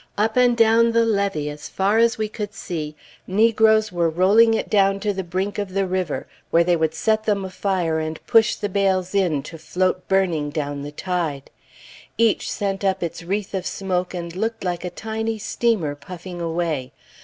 Up and down the levee, as far as we could see, negroes were rolling it down to the brink of the river where they would set them afire and push the bales in to float burning down the tide. Each sent up its wreath of smoke and looked like a tiny steamer puffing away.